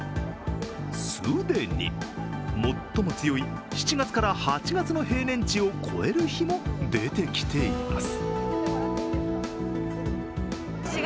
既に最も強い７月から８月の平年値を超える日も出てきています。